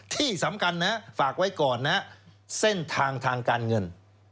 ที่สำคัญนะฝากไว้ก่อนนะเส้นทางทางการเงิน